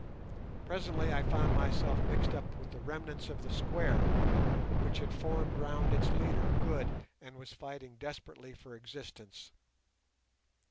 Presently I found myself mixed up with the remnants of the square, which had formed round its leader Good, and was fighting desperately for existence.